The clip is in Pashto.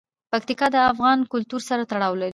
پکتیکا د افغان کلتور سره تړاو لري.